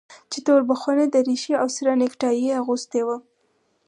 چې توربخونه دريشي او سره نيكټايي يې اغوستې وه.